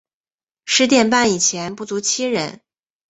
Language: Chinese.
十点半以前不足七人